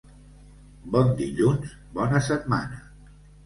Bon dilluns, bona setmana.